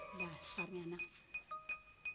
hmm biasa ini anak